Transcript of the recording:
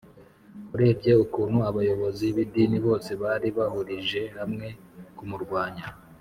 urebye ukuntu abayobozi b’idini bose bari bahurije hamwe kumurwanya